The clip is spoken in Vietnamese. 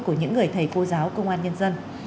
của những người thầy cô giáo công an nhân dân